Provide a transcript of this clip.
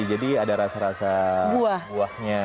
jadi ada rasa rasa buahnya